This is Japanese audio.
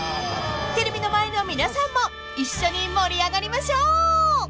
［テレビの前の皆さんも一緒に盛り上がりましょう］